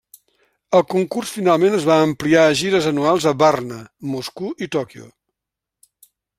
El concurs finalment es va ampliar a gires anuals a Varna, Moscou i Tòquio.